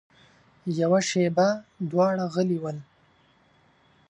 يوه شېبه دواړه غلي ول.